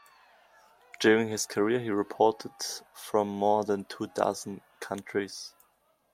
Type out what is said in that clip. During his career, he reported from more than two dozen countries.